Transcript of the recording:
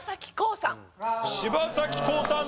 柴咲コウさん